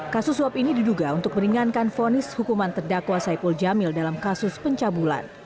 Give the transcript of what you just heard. kasus suap ini diduga untuk meringankan fonis hukuman terdakwa saipul jamil dalam kasus pencabulan